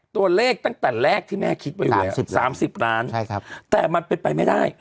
ตัวเลขตั้งแต่แรกที่แม่คิดไว้เลย๓๐ล้านแต่มันเป็นไปไม่ได้